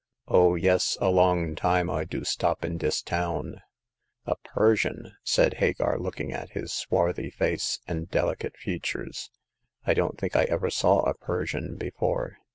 Oh, yes ; a long time I do stop in dis town." A Persian !" said Hagar, looking at his swarthy face and delicate features. " I don't think I ever saw a Persian before.